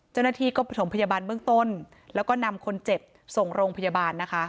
เจ้าหน้าที่ก็ประถมพยาบาลเบื้องต้นแล้วก็นำคนเจ็บส่งโรงพยาบาลนะคะ